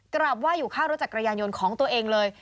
กราบไหว้อยู่ข้างรถจักรยานยนต์ของตัวเองเลย